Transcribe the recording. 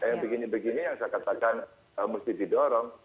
dan yang begini begini yang saya katakan mesti didorong